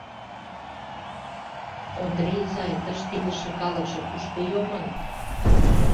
— Ондре изай, тыште илыше калыкше кушко йомын?